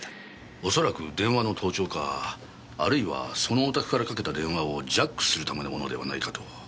おそらく電話の盗聴かあるいはそのお宅からかけた電話をジャックするためのものではないかと。